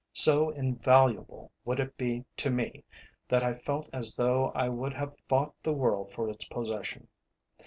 So invaluable would it be to me, that I felt as though I would have fought the world for its possession.